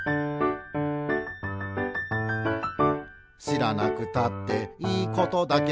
「しらなくたっていいことだけど」